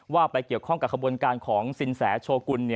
ว่าไปเกี่ยวข้องกับขบวนการของสินแสโชกุล